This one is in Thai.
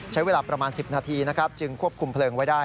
ใช้เวลาประมาณ๑๐นาทีนะครับจึงควบคุมเพลิงไว้ได้